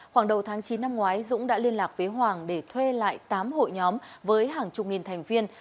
khoảng đầu tháng chín năm ngoái dũng đã liên lạc với hoàng để thuê lại tám hội nhóm với hàng chục nghìn thành viên